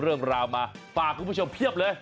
เรื่องราวมาฝากคุณผู้ชมเพียบเลย